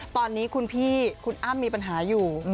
ตอนนี้คุณพี่คุณอ้ำมีปัญหาอยู่